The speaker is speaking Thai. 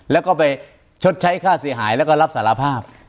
แล้วก็ไปชดใช้ค่าเสียหายแล้วก็รับสารภาพ